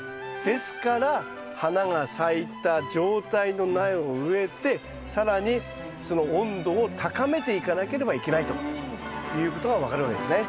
ですから花が咲いた状態の苗を植えて更にその温度を高めていかなければいけないということが分かるわけですね。